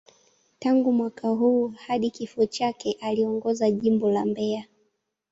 Tangu mwaka huo hadi kifo chake, aliongoza Jimbo la Mbeya.